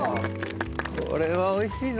これは美味しいぞ。